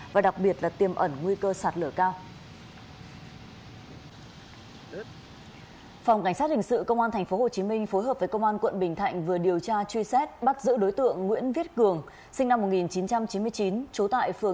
và đặc biệt là tiềm ẩn nguy cơ sạt lở cao